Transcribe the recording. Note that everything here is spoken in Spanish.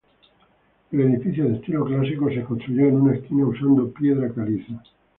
El edificio de estilo clásico, se construyó en una esquina usando piedra caliza.